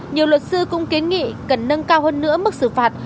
nhiều luật sư cũng kiến nghị cần nâng cao hơn nữa mức xử phạt